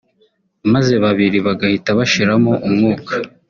maze babiri bagahita bashiramo umwuka